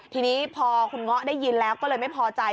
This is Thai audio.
ทีนี้พอคุณเงาะได้ยินแล้วก็เลยไม่พอใจ